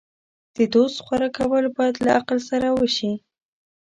د دوست غوره کول باید له عقل سره وشي.